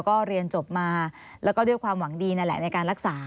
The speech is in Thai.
ก็เรียนจบมาแล้วก็ด้วยความหวังดีนั่นแหละในการรักษา